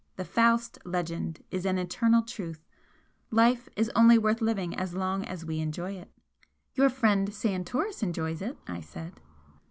The Faust legend is an eternal truth Life is only worth living as long as we enjoy it." "Your friend Santoris enjoys it!" I said.